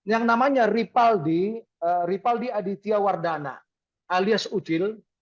yang namanya ripaldi aditya wardana alias udil